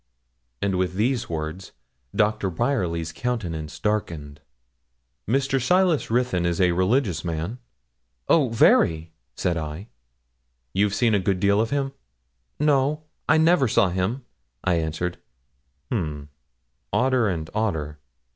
And with these words Doctor Bryerly's countenance darkened. 'Mr. Silas Ruthyn is a religious man?' 'Oh, very!' said I. 'You've seen a good deal of him?' 'No, I never saw him,' I answered. 'H'm? Odder and odder!